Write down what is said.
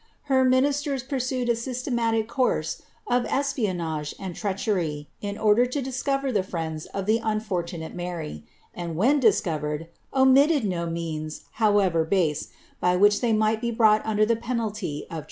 Her ministers pursued a natic course of espionage and treachery, in order to discover the b of the unfortunate Mary ; and when discovered, omitted no means, ver base, by which they might be brought under the penalty of m.'